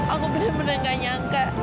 aku bener bener gak nyangka